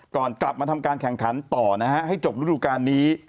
กลับมาทำการแข่งขันต่อนะฮะให้จบฤดูการนี้